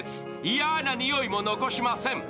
嫌な臭いも残しません。